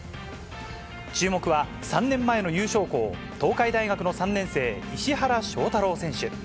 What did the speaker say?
注目は、３年前の優勝校、東海大学の３年生、石原翔太郎選手。